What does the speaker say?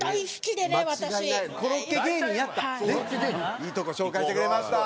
いいとこ紹介してくれました。